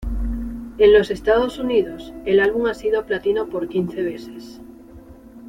En los Estados Unidos, el álbum ha sido platino por quince veces.